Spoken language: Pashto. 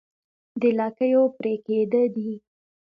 د لکيو پرې کېده دي